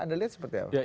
anda lihat seperti apa